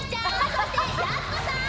そしてやす子さん。